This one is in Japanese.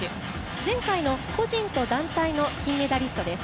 前回の個人と団体の金メダリストです。